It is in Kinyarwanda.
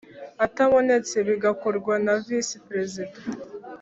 atabonetse bigakorwa na visi perezida